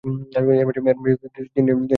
এর মাঝে তিনি একটি জুনিয়র বিশ্ব রেকর্ড করেন।